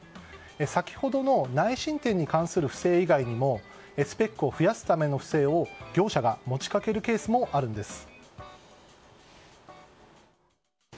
先ほどの内申点に関する不正以外にもスペックを増やすための不正を業者が持ち掛けるケースもあるんです。